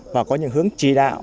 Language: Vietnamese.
và có những hướng chỉ đạo